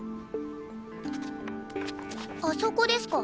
あそこですか？